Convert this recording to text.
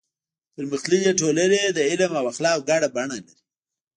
پرمختللې ټولنه د علم او اخلاقو ګډه بڼه لري.